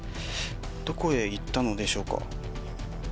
どこへ行ったのでしょうか。